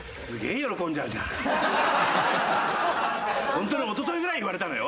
ホントにおとといぐらいに言われたのよ。